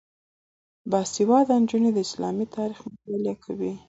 باسواده نجونې د اسلامي تاریخ مطالعه کوي.